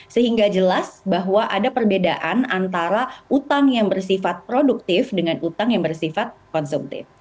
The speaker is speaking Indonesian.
sehingga jelas bahwa ada perbedaan antara utang yang bersifat produktif dengan utang yang bersifat konsumtif